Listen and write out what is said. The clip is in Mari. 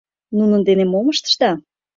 Нунын дене мом ыштышда?